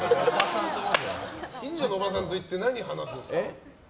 近所のおばさんと行って何話すんですか？